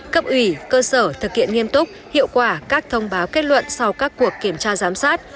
cấp ủy cơ sở thực hiện nghiêm túc hiệu quả các thông báo kết luận sau các cuộc kiểm tra giám sát